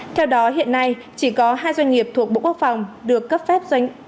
theo đó hiện nay chỉ có hai doanh nghiệp thuộc bộ quốc phòng được cấp phép doanh nghiệp